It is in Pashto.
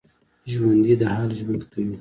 ژوندي د حال ژوند کوي